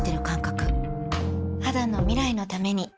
肌の未来のために